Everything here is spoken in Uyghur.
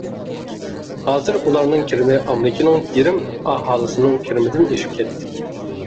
ھازىر ئۇلارنىڭ كىرىمى ئامېرىكىنىڭ يېرىم ئاھالىسىنىڭ كىرىمىدىن ئېشىپ كەتتى.